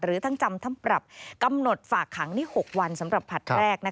หรือทั้งจำทั้งปรับกำหนดฝากขังนี่๖วันสำหรับผลัดแรก